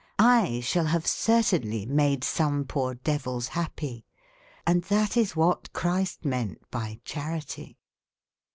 I shall have certainly made some poor devils happy. And that is what Christ meant by charity.